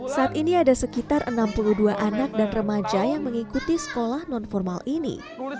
saat ini ada sekitar enam puluh dua anak dan remaja yang mengikuti sekolah non formal ini